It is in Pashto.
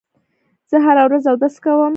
زه هره ورځ اودس کوم.